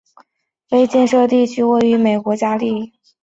塔图是位于美国加利福尼亚州门多西诺县的一个非建制地区。